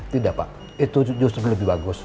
tidak pak itu justru lebih bagus